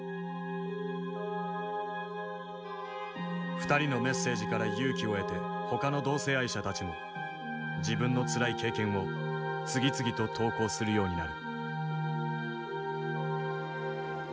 ２人のメッセージから勇気を得てほかの同性愛者たちも自分のつらい経験を次々と投稿するようになる。